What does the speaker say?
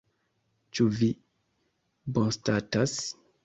Ĉu vi bonstatas?